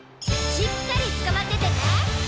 しっかりつかまっててね！